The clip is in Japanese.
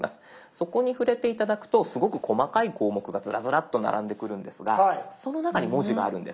そこに触れて頂くとすごく細かい項目がずらずらっと並んでくるんですがその中に文字があるんです。